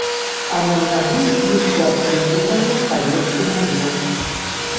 А на мяжы іх затрымлівае савецкі маёр.